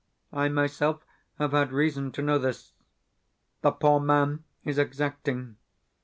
I myself have had reason to know this. The poor man is exacting.